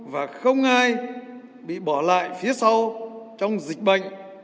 và không ai bị bỏ lại phía sau trong dịch bệnh